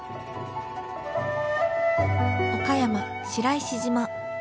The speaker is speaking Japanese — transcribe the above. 岡山・白石島。